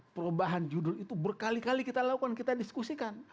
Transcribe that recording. perubahan judul itu berkali kali kita lakukan kita diskusikan